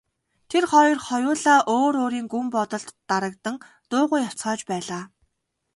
Тэр хоёр хоёулаа өөр өөрийн гүн бодолд дарагдан дуугүй явцгааж байлаа.